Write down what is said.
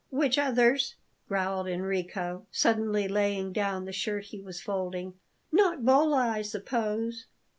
"Which others?" growled Enrico, suddenly laying down the shirt he was folding. "Not Bolla, I suppose?"